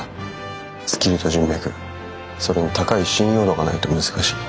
スキルと人脈それに高い信用度がないと難しい。